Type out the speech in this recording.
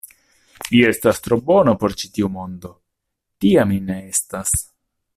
Vi estas tro bona por ĉi tiu mondo; tia mi ne estas.